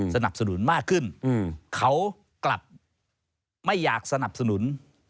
สนับสนุนมากขึ้นเขากลับไม่อยากสนับสนุน